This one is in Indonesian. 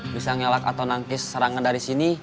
bisa ngelak atau nangis serangan dari sini